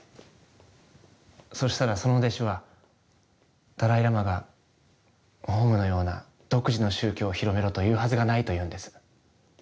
そしたらその弟子はダライ・ラマがオウムのような独自の宗教を広めろと言うはずがないと言うんです。